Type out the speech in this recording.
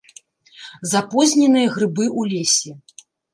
Запозненыя грыбы ў лесе.